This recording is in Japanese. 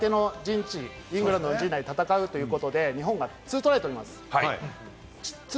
まず相手の陣地、イングランドの陣地で戦うということで、日本が２トライ取ります。